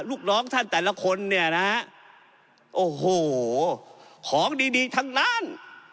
ลูกน้องท่านแต่ละคนเนี่ยนะฮะโอ้โหของดีดีทั้งนั้น